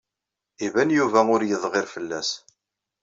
Iban Yuba ur yedɣir fell-as.